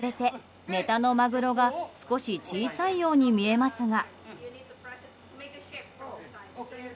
シャリに比べて、ネタのマグロが少し小さいように見えますが。